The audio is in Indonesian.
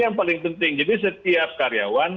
yang paling penting jadi setiap karyawan